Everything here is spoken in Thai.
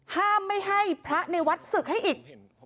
ห้ามไม่ให้พระในวัดศึกให้อีก